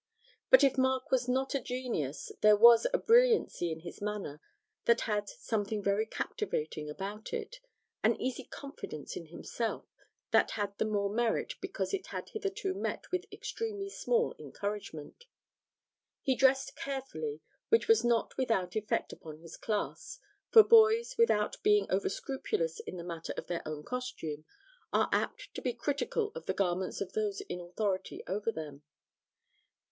But if Mark was not a genius, there was a brilliancy in his manner that had something very captivating about it; an easy confidence in himself, that had the more merit because it had hitherto met with extremely small encouragement. He dressed carefully, which was not without effect upon his class, for boys, without being overscrupulous in the matter of their own costume, are apt to be critical of the garments of those in authority over them.